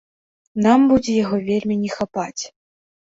Нам будзе яго вельмі не хапаць.